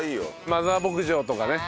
マザー牧場とかね。